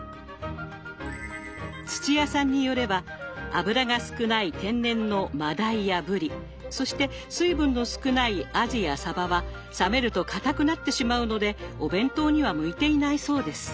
土屋さんによれば脂が少ない天然のマダイやブリそして水分の少ないアジやサバは冷めると固くなってしまうのでお弁当には向いていないそうです。